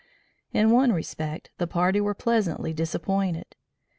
In one respect, the party were pleasantly disappointed.